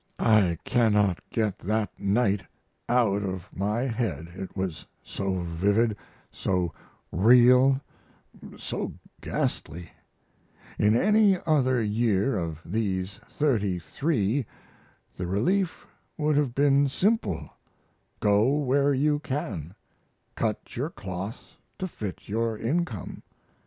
I cannot get that night out of my head, it was so vivid, so real, so ghastly: In any other year of these thirty three the relief would have been simple: go where you can, cut your cloth to fit your income.